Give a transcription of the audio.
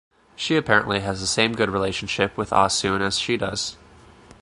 She apparently has the same good relationship with Ah Soon as she does.